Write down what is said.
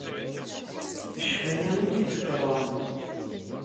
D cfaya i d-ifegḍen.